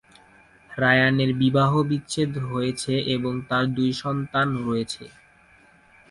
রায়ানের বিবাহবিচ্ছেদ হয়েছে এবং তার দুই সন্তান রয়েছে।